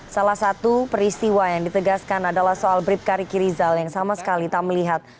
salah satu peristiwa yang ditegaskan adalah soal bribka riki rizal yang sama sekali tak melihat